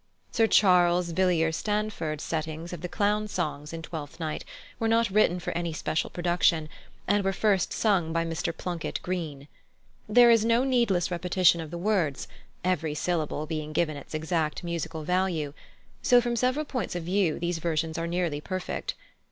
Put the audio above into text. +Sir Charles Villiers Stanford's+ settings of the "Clown's songs" in Twelfth Night were not written for any special production, and were first sung by Mr Plunket Greene. There is no needless repetition of the words, every syllable being given its exact musical value; so, from several points of view these versions are nearly perfect.